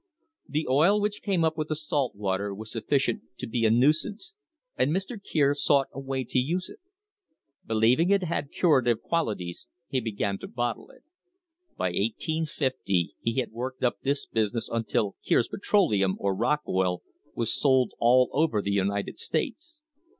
The oil which came up with the salt water was sufficient to be a nuisance, and Mr. Kier sought a way to use it. Believing it had curative quali ties he began to bottle it. By 1850 he had worked up this business until "Kier's Petroleum, or Rock Oil" was sold all over the United States.